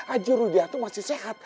aji rudia tuh masih sehat